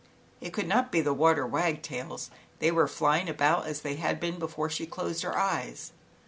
It could not be the water wagtails; they were flying about as they had been before she closed her eyes.